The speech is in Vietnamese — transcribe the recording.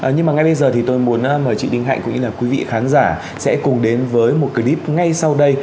nhưng mà ngay bây giờ thì tôi muốn mời chị đinh hạnh cũng như là quý vị khán giả sẽ cùng đến với một clip ngay sau đây